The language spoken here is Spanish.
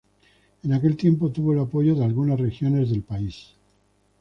En aquel tiempo tuvo el apoyo de algunas regiones del país.